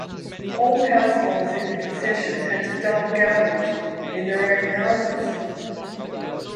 All households in the concession had to dump garbage in their own houses.